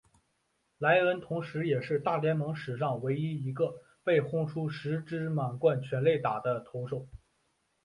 莱恩同时也是大联盟史上唯一一个被轰出十支满贯全垒打的投手。